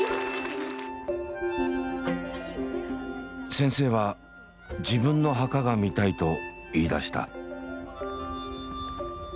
先生は自分の墓が見たいと言いだした。